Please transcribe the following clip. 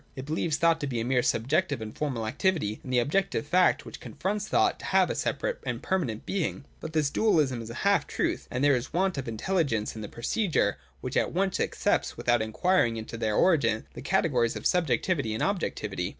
It believes thought to be a mere subjective and formal activity, and the objective fact, which confronts thought, to have a separate and permanent being. But this dualism is a half truth : and there is a want of intelligence in the procedure which at once accepts, without inquiring into their origin, the categories of subjectivity and objectivity.